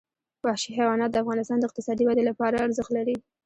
وحشي حیوانات د افغانستان د اقتصادي ودې لپاره ارزښت لري.